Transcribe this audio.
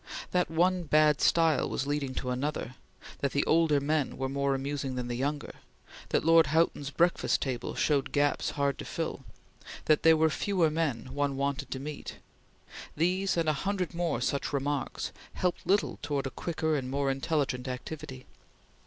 That one bad style was leading to another that the older men were more amusing than the younger that Lord Houghton's breakfast table showed gaps hard to fill that there were fewer men one wanted to meet these, and a hundred more such remarks, helped little towards a quicker and more intelligent activity.